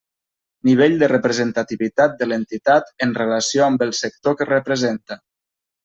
Nivell de representativitat de l'entitat en relació amb el sector que representa.